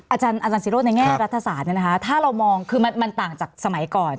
อาจารย์ศิโรธในแง่รัฐศาสตร์ถ้าเรามองคือมันต่างจากสมัยก่อน